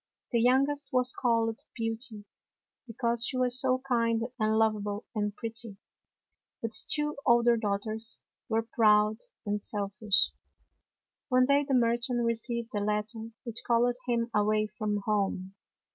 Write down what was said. The youngest was called Beauty because she was so kind and lovable and pretty. But the two older daughters were proud and selfish. One day the merchant received a letter which called him away from home.